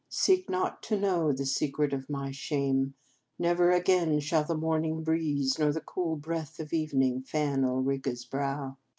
" Seek not to know the secret of my shame. Never again shall the morning breeze nor the cool breath of evening fan Ulrica s brow."